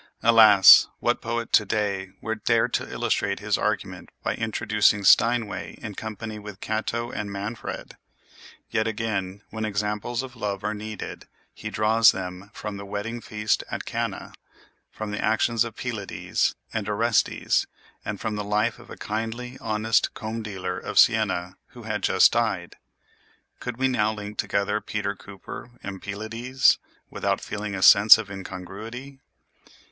Alas! what poet to day would dare to illustrate his argument by introducing Steinway in company with Cato and Manfred! Yet again, when examples of love are needed, he draws them from the wedding feast at Cana, from the actions of Pylades and Orestes, and from the life of a kindly, honest comb dealer of Siena who had just died. Could we now link together Peter Cooper and Pylades, without feeling a sense of incongruity?